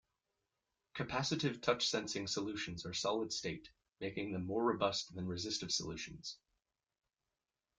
Capacitive touch sensing solutions are solid state, making them more robust than resistive solutions.